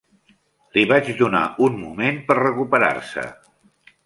Li vaig donar un moment per recuperar-se.